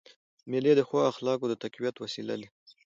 مېلې د ښو اخلاقو د تقویت وسیله دي.